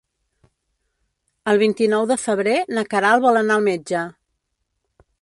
El vint-i-nou de febrer na Queralt vol anar al metge.